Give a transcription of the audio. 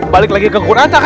balik lagi ke